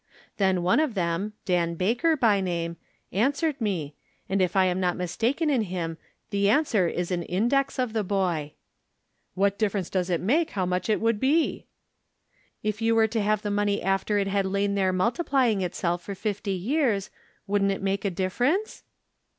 Then one of them, Dan Baker by name, answered me, and if I am not mistaken in him the answer is an index of the boy :" What difference does it make how much it would be ?"" If you were to have the money after it had lain there multiplying itself for fifty years, wouldn't it make a difference